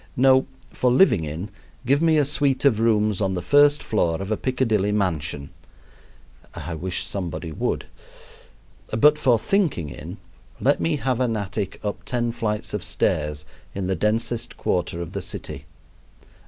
No, for living in give me a suit of rooms on the first floor of a Piccadilly mansion (I wish somebody would!); but for thinking in let me have an attic up ten flights of stairs in the densest quarter of the city.